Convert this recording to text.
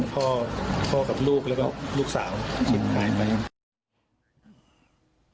พ่อกับลูกแล้วก็ลูกสาวขี่รถหายไป